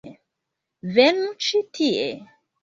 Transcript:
Venu ĉi tie